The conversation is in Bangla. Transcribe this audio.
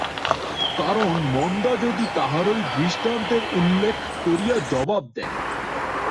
কারণ, মন্দা যদি তাহারই দৃষ্টান্তের উল্লেখ করিয়া জবাব দেয়।